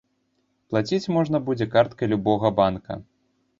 Плаціць можна будзе карткай любога банка.